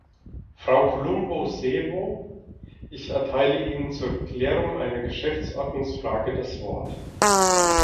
Frau Colombo Svevo, ich erteile Ihnen zur Klärung einer Geschäftsordnungsfrage das Wort.